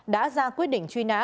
đã ra quyết định truy nã